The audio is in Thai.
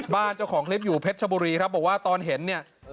เจ้าของคลิปอยู่เพชรชบุรีครับบอกว่าตอนเห็นเนี่ย